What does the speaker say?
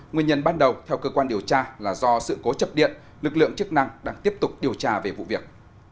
nguyên nhân ban đầu theo cơ quan điều tra là do sự cố chập điện lực lượng chức năng đang tiếp tục điều tra về vụ việc